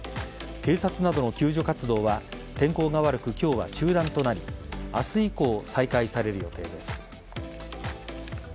警察などの救助活動は天候が悪く、今日は中断となり明日以降、再開される予定です。